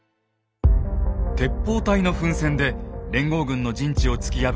鉄砲隊の奮戦で連合軍の陣地を突き破った武田軍。